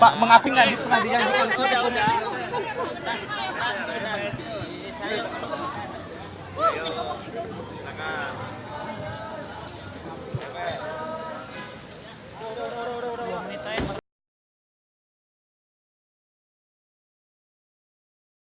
pak mengapung gak pernah dijanjikan